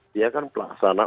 dia kan pelaksana